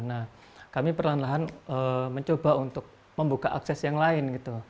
nah kami perlahan lahan mencoba untuk membuka akses yang lain gitu